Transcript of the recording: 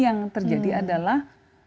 yang terjadi adalah